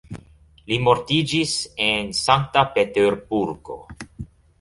Li mortiĝis en Sankta Peterburgo.